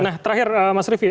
nah terakhir mas rifi